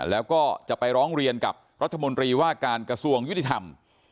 แล้วก็จะไปร้องเรียนกับรัฐมนตรีว่าการกระทรวงยุติธรรม